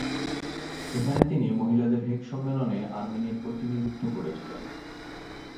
সেখানে তিনি মহিলাদের হেগ সম্মেলনে আর্মেনিয়ার প্রতিনিধিত্ব করেছিলেন।